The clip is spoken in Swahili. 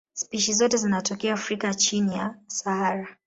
Spishi zote zinatokea Afrika chini ya Sahara.